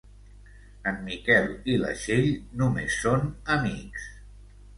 En Miquel i la Txell només són amics.